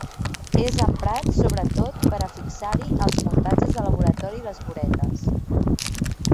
És emprat sobretot per a fixar-hi els muntatges de laboratori i les buretes.